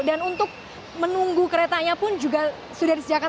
dan untuk menunggu keretanya pun juga sudah disediakan tempat